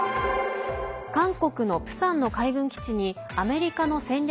韓国のプサンの海軍基地にアメリカの戦略